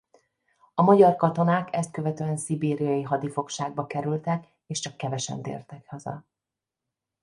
A magyar katonák ezt követően szibériai hadifogságba kerültek és csak kevesen tértek haza.